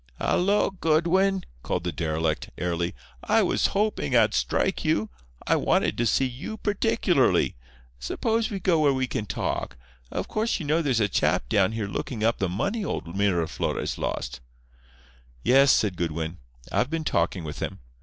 "Hallo, Goodwin!" called the derelict, airily. "I was hoping I'd strike you. I wanted to see you particularly. Suppose we go where we can talk. Of course you know there's a chap down here looking up the money old Miraflores lost." "Yes," said Goodwin, "I've been talking with him.